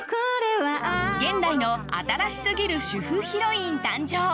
現代の新しすぎる主婦ヒロイン誕生。